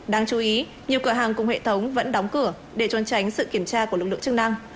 đáng chú ý nhiều cửa hàng cùng hệ thống vẫn đóng cửa để trôn tránh sự kiểm tra của lực lượng chức năng